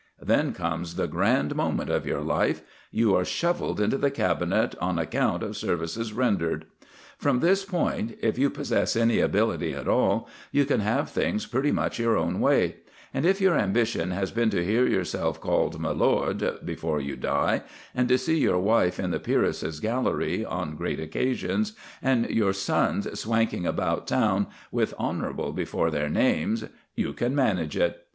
Then comes the grand moment of your life. You are shovelled into the Cabinet on account of services rendered. From this point, if you possess any ability at all, you can have things pretty much your own way; and if your ambition has been to hear yourself called "My lord" before you die, and to see your wife in the Peeresses' Gallery on great occasions, and your sons swanking about town with "Hon." before their names, you can manage it.